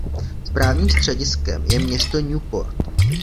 Správním střediskem je město Newport.